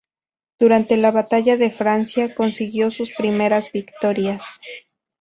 Durante la batalla de Francia, consiguió sus primeras victorias.